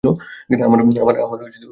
আমার খুব ক্ষুধা লেগেছে।